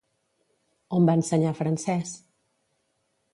On va ensenyar francès?